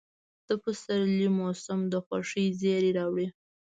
د پسرلي موسم د خوښۍ زېرى راوړي.